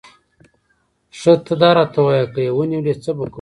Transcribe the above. ښه ته داراته ووایه، که یې ونیولې، څه به کوو؟